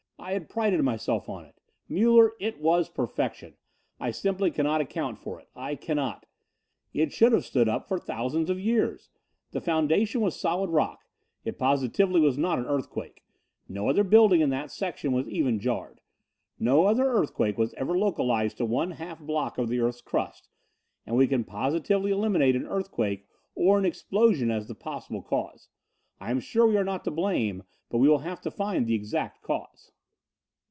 I had prided myself on it. Muller, it was perfection. I simply cannot account for it. I cannot. It should have stood up for thousands of years. The foundation was solid rock. It positively was not an earthquake. No other building in the section was even jarred. No other earthquake was ever localized to one half block of the earth's crust, and we can positively eliminate an earthquake or an explosion as the possible cause. I am sure we are not to blame, but we will have to find the exact cause."